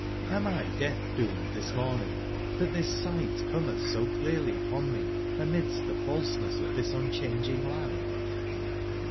am I deatb/doom ed tbis morning tbat tbis sight cometh so clearly upon me amidst the falseness of this unchanging land?"